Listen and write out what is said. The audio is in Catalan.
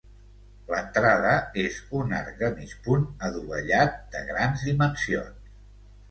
L'entrada és un arc de mig punt adovellat de grans dimensions.